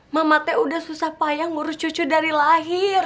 mamate udah susah payah ngurus cucu dari lahir